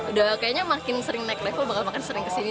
udah kayaknya makin sering naik level bakal makin sering kesini